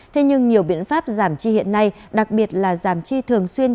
thế nhưng nhiều biện pháp giảm chi hiện nay đặc biệt là giảm chi thường xuyên